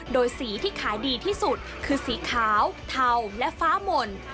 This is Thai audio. โดยสีที่ขายดีที่สุดคือสีขาวเทาและฟ้าหม่น